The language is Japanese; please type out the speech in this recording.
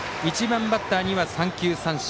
１番バッターには三球三振。